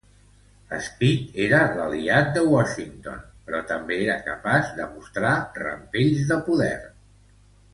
Speed era l'aliat de Washington però també era capaç de mostrar rampells de poder.